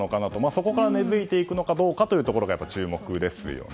そこから根づいていくのかどうかというのが注目ですね。